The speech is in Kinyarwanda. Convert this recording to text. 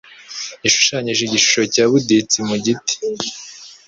Yashushanyije igishusho cya Budisti mu giti.